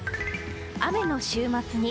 雨の週末に。